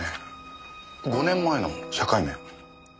５年前の社会面。